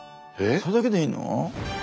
それだけでいいの？